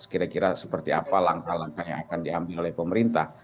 kira kira seperti apa langkah langkah yang akan diambil oleh pemerintah